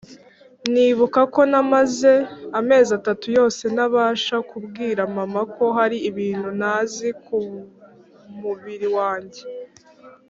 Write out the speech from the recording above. nibuka ko namaze amezi atatu yose ntarabasha kubwira mama ko hari ibintu ntazi kumubiri wanjye!